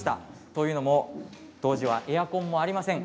というのも当時はエアコンもありません。